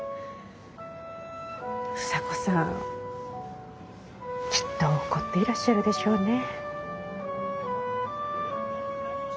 房子さんきっと怒っていらっしゃるでしょうね。